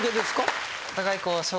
お互い。